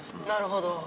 なるほど。